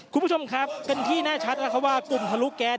คุณผู้ชมครับเป็นที่แน่ชัดแล้วครับว่ากลุ่มทะลุแก๊ส